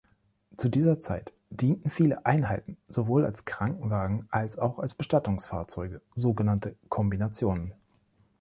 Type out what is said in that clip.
Zu dieser Zeit dienten viele Einheiten sowohl als Krankenwagen als auch als Bestattungsfahrzeuge, so genannte Kombinationen.